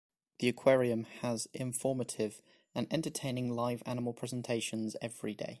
The aquarium has informative and entertaining live animal presentations every day.